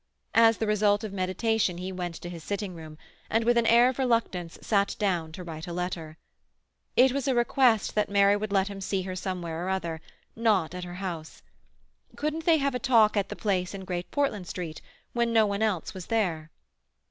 As the result of meditation he went to his sitting room, and with an air of reluctance sat down to write a letter. It was a request that Mary would let him see her somewhere or other—not at her house. Couldn't they have a talk at the place in Great Portland Street, when no one else was there?